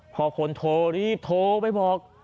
พอคนโทรรีบโทรไปบอก